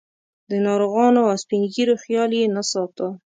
د ناروغانو او سپین ږیرو خیال یې نه ساته.